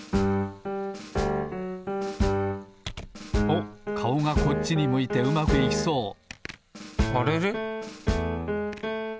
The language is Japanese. おっかおがこっちに向いてうまくいきそうあれれ？